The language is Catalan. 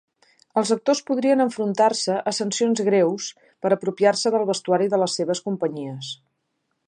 Els actors podrien enfrontar-se a sancions greus per apropiar-se del vestuari de les seves companyies.